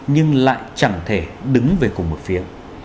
nhưng lại chẳng thể đứng về cùng một phía